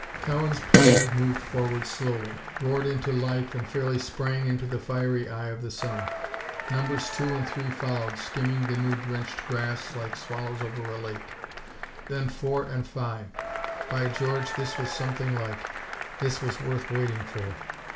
Cowan's plane moved forward slowly, roared into life and fairly sprang into the fiery eye of the sun. Numbers two and three followed, skimming the dew drenched grass like swallows over a lake. Then four and five. By George, this was something like! This was worth waiting for!